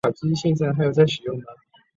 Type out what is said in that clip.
此条约一直生效直到贡特拉姆去世为止。